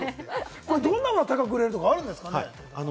どんなものが高く売れるとかあるんですかね？